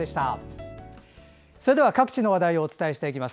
それでは各地の話題をお伝えします。